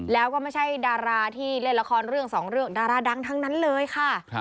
แล้วก็ไม่ใช่ดาราที่เล่นละครเรื่องสองเรื่องดาราดังทั้งนั้นเลยค่ะ